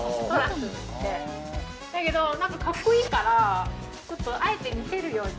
だけど何かかっこいいからあえて見せるように。